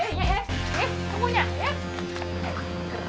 eh kok punya eh